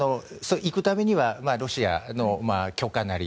いくためにはロシアの許可なり